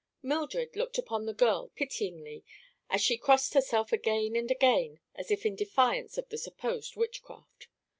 Mildred looked upon the girl pityingly as she crossed herself again and again as if in defiance of the supposed witchcraft.